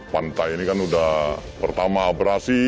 pantai ini kan udah pertama abrasi